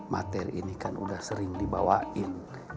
materi ini kan udah sering dibawain